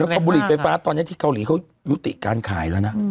แล้วก็บุหรี่ไฟฟ้าตอนนี้ที่เกาหลีเขายุติการขายแล้วนะ